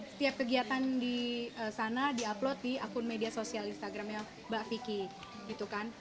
setiap kegiatan di sana di upload di akun media sosial instagramnya mbak vicky gitu kan